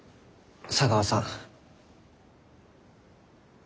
茶川さん。